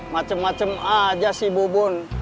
macem macem aja sih bu bun